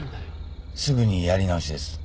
すぐにやり直しです。